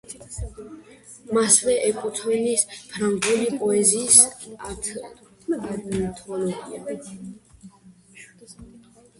მასვე ეკუთვნის ფრანგული პოეზიის ანთოლოგია.